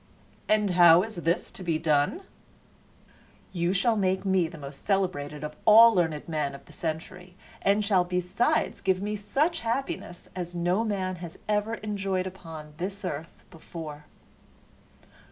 "And how is this to be done?" "You shall make me the most celebrated of all the learned men of the century, and shall besides give me such happiness as no man has ever enjoyed upon this earth before."